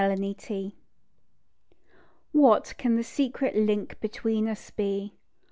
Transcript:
RUSSIA What can the secret link between us be?